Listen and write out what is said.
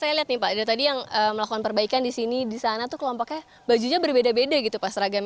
saya lihat nih pak dari tadi yang melakukan perbaikan di sini di sana tuh kelompoknya bajunya berbeda beda gitu pak seragamnya